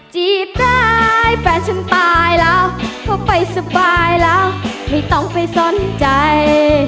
จีบได้แฟนฉันตายแล้วเขาไปสบายแล้วไม่ต้องไปสนใจ